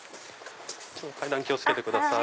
階段気を付けてください。